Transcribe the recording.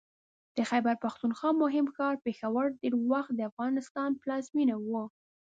د خیبر پښتونخوا مهم ښار پېښور ډېر وخت د افغانستان پلازمېنه وه